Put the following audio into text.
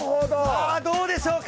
さあどうでしょうか？